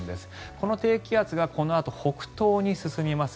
この低気圧がこのあと北東に進みます。